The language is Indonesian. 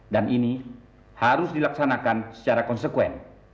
dan ini harus dilaksanakan secara konsekuen